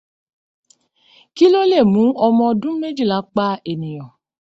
Kí ló lè mú ọmọ ọdún méjìlélógún pa ènìyàn?